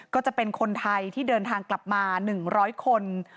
ก็จะเป็นคนไทยที่เดินทางกลับมา๑๐๐คน